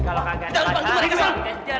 kalau kaget kita lupakan mereka sang